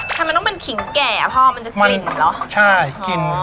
ทำไมต้องเป็นขิงแก่เพราะจะกลิ่นหรอ